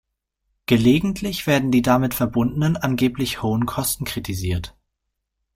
Gelegentlich werden die damit verbundenen angeblich hohen Kosten kritisiert.